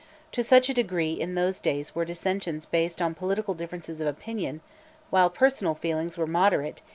To such a degree in those days were dissensions based on political differ ences of opinion, while personal feelings were 1 457 B.O.